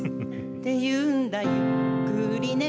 「ってゆうんだゆっくりね」